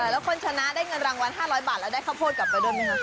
แล้วคนชนะได้เงินรางวัล๕๐๐บาทแล้วได้ข้าวโพดกลับไปด้วยไหมคะ